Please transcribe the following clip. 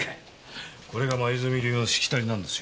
これが黛流のしきたりなんです。